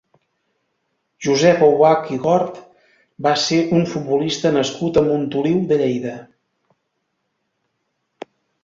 Josep Aubach i Gort va ser un futbolista nascut a Montoliu de Lleida.